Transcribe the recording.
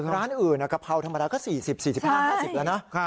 ร้านอื่นกะเพราธรรมดาก็๔๐๔๕๕๐แล้วนะ